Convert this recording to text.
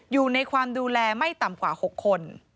อยู่ในความดูแลไม่ต่ำกว่า๖คน